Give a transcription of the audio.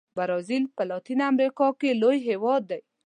برازیل په لاتین امریکا کې لوی هېواد دی.